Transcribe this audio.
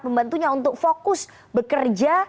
pembantunya untuk fokus bekerja